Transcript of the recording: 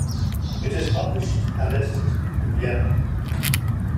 It is published and edited in Vienna.